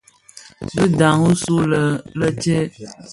Bë ndhaň usu lè stè ?